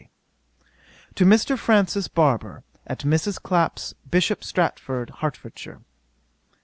'To MR. FRANCIS BARBER, AT MRS. CLAPP'S, BISHOP STORTFORD, HERTFORDSHIRE.